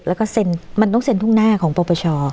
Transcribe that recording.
แล้วก็เซ็นมันต้องเซ็นทุ่งหน้าของปปช